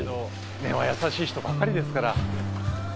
根は優しい人ばっかりですから。